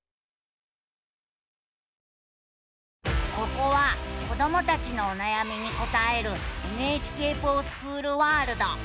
ここは子どもたちのおなやみに答える「ＮＨＫｆｏｒＳｃｈｏｏｌワールド」。